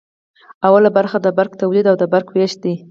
لومړی برخه د برق تولید او د برق ویش دی.